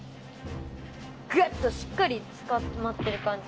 ガッ！としっかりつかまってる感じ。